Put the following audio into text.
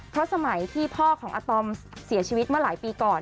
เพราะสมัยที่พ่อของอาตอมเสียชีวิตเมื่อหลายปีก่อน